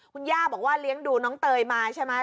คุณย่าบอกว่าเลี้ยงดูน้องเตยมาใช่ไหม